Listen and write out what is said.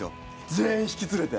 全員引き連れて。